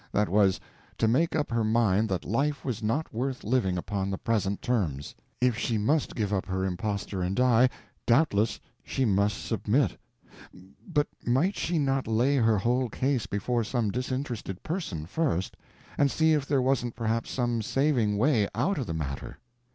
That was, to make up her mind that life was not worth living upon the present terms. If she must give up her impostor and die, doubtless she must submit; but might she not lay her whole case before some disinterested person, first, and see if there wasn't perhaps some saving way out of the matter?